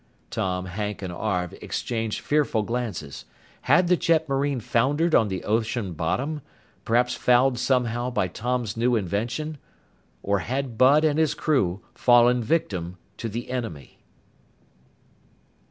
Tom, Hank, and Arv exchanged fearful glances. Had the jetmarine foundered on the ocean bottom perhaps fouled somehow by Tom's new invention? Or had Bud and his crew fallen victim to the enemy?